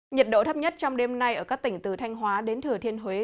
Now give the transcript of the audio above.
nhiệt độ thấp nhất trong đêm nay ở các tỉnh từ thanh hóa đến thừa thiên huế